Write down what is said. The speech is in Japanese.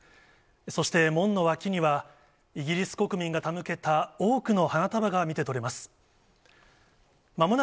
そして門の脇には、イギリス国民が手向けた多くの花束が見て取れます。